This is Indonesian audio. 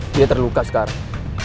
dia terluka sekarang